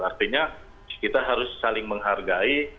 artinya kita harus saling menghargai